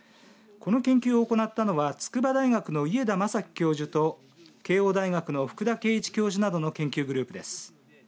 この研究を行ったのは筑波大学の家田真樹教授と慶應大学の福田恵一教授などの研究グループです。